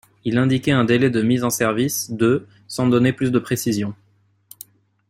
Il indiquait un délai de mise en service de sans donner plus de précision.